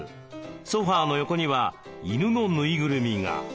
ソファーの横にはイヌのぬいぐるみが。